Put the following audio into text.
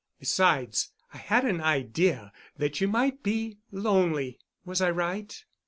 Besides, I had an idea that you might be lonely. Was I right?"